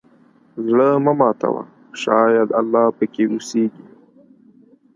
زړه مه ماتوه، شاید الله پکې اوسېږي.